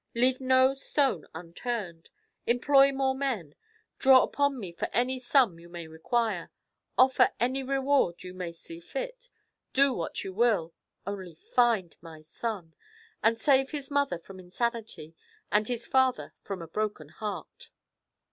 Leave no stone unturned! Employ more men; draw upon me for any sum you may require; offer any reward you may see fit; do what you will; only find my son, and save his mother from insanity and his father from a broken heart!